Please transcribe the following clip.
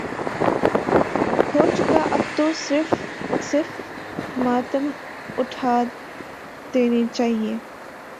ہو چکا اب تو صف ماتم اٹھاد ینی چاہیے۔